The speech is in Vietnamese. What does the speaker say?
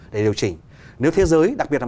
để điều chỉnh nếu thế giới đặc biệt là